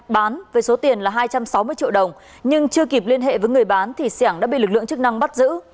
bán với số tiền là hai trăm sáu mươi triệu đồng nhưng chưa kịp liên hệ với người bán thì sẻng đã bị lực lượng chức năng bắt giữ